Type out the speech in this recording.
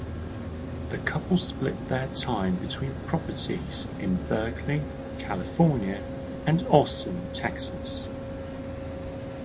The couple split their time between properties in Berkeley, California, and Austin, Texas.